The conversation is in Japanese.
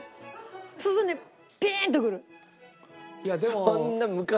そうするとねピーンとくる。